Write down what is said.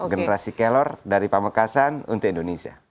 generasi kelor dari pamekasan untuk indonesia